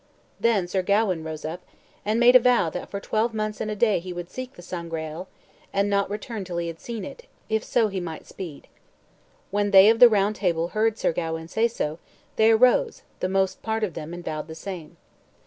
Then Sir Gawain rose up, and made a vow that for twelve months and a day he would seek the Sangreal, and not return till he had seen it, if so he might speed. When they of the Round Table heard Sir Gawain say so, they arose, the most part of them, and vowed the same.